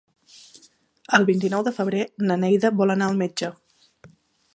El vint-i-nou de febrer na Neida vol anar al metge.